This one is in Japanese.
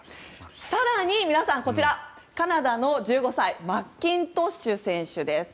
更に皆さん、カナダの１５歳マッキントッシュ選手です。